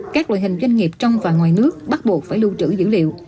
các loại hình doanh nghiệp trong và ngoài nước bắt buộc phải lưu trữ dữ liệu